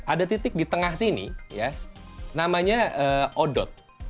ada titik di tengah sini ya namanya odot